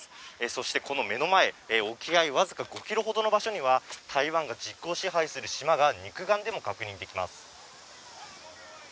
そしてこの目の前、沖合僅か５キロほどの場所には、台湾が実効支配する島が肉眼でも確認できます。